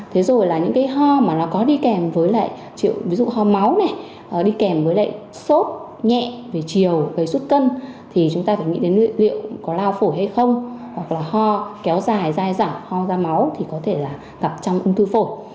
thế rồi là những cái ho mà nó có đi kèm với lại ví dụ ho máu này đi kèm với lại sốt nhẹ về chiều về suốt cân thì chúng ta phải nghĩ đến liệu có lao phổi hay không hoặc là ho kéo dài dai dẳng ho da máu thì có thể là gặp trong ung thư phổi